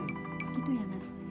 gitu ya mas